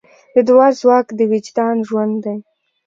د دعا ځواک د وجدان ژوند دی.